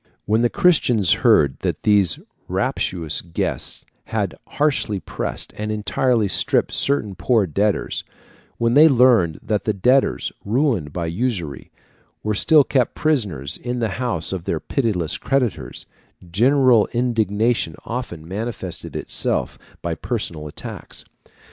When the Christians heard that these rapacious guests had harshly pressed and entirely stripped certain poor debtors, when they learned that the debtors, ruined by usury, were still kept prisoners in the house of their pitiless creditors, general indignation often manifested itself by personal attacks.